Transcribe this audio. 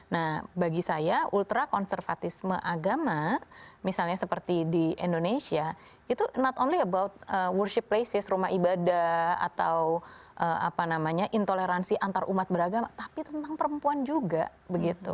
nah bagi saya ultrakonservatisme agama misalnya seperti di indonesia itu not only about worship places rumah ibadah atau intoleransi antarumat beragama tapi tentang perempuan juga begitu